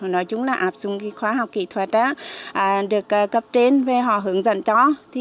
nói chung là áp dụng khoa học kỹ thuật được cấp trên về họ hướng dẫn cho